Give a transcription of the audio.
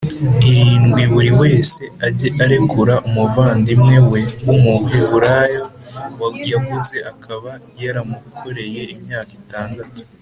Irindwi buri wese ajye arekura umuvandimwe we w umuheburayof yaguze akaba yaramukoreye imyaka itandatu